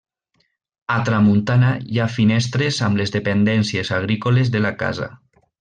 A tramuntana hi ha finestres amb les dependències agrícoles de la casa.